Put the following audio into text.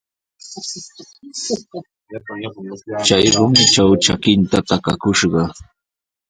Chay rumitraw trakinta takakushqa.